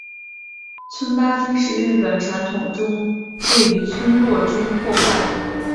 村八分是日本传统中对于村落中破坏成规和秩序者进行消极的制裁行为的俗称。